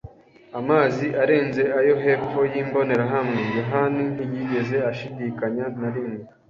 amazi arenze ayo hepfo yimbonerahamwe, Yohana ntiyigeze ashidikanya na rimwe.